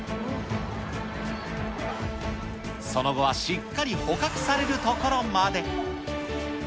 その後はしっかり捕獲されるところまで。